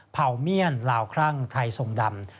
เผาเมียนลาวครั่งไทยทรงดำ